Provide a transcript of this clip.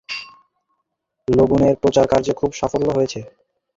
লণ্ডনের প্রচারকার্যে খুব সাফল্য হয়েছে।